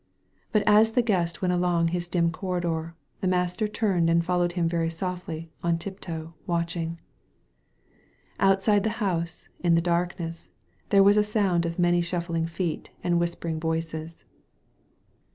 But as the Guest went along his dim corridor, the Master turned and followed him very softly on tiptoe, watching. Outside the house, in the darkness, there was a sound of many shuffling feet and whispering voices.